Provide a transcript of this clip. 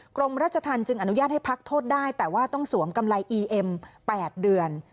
กรมราชธรรมจึงอนุญาตให้พักโทษได้แต่ว่าต้องสวมกำไรอีเอ็ม๘เดือน